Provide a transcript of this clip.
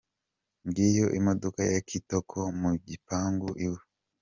Ngiyo imdoka ya Kitoko mu gipangu iwe.